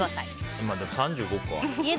でも３５か。